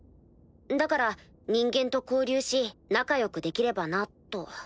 だから人間と交流し仲良くできればなと。